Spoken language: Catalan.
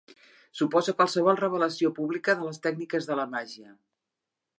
S'oposa a qualsevol revelació pública de les tècniques de la màgia.